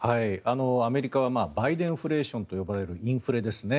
アメリカはバイデンフレーションと呼ばれるインフレですね。